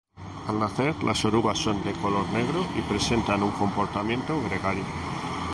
Al nacer, las orugas son de color negro y presentan un comportamiento gregario.